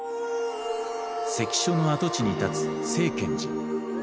関所の跡地に立つ清見寺。